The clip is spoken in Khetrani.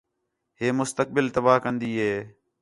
ہِے مستقبل تباہ کندی ہِے